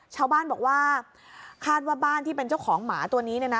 ชาวบ้านบอกว่าคาดว่าบ้านที่เป็นเจ้าของหมาตัวนี้